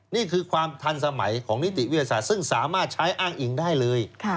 นี่คือความทันสมัยของนิติวิทยาศาสตร์ซึ่งสามารถใช้อ้างอิงได้เลย